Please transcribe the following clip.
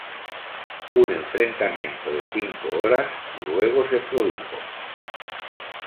Un enfrentamiento de cinco horas luego se produjo.